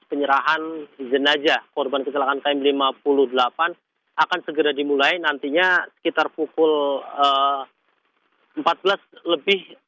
penyerahan jenajah korban kecelakaan km lima puluh delapan akan segera dimulai nantinya sekitar pukul empat belas lebih